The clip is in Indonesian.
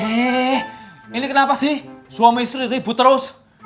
ini kenapa sih suami istri ribut terus